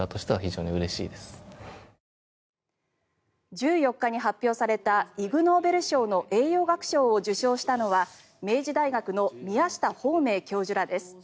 １４日に発表されたイグノーベル賞の栄養学賞を受賞したのは明治大学の宮下芳明教授らです。